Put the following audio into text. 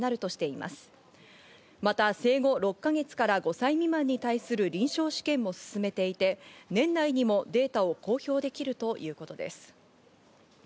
また生後６か月から５歳未満に対する臨床試験も進めていて、年内にもデータを公表できるということです。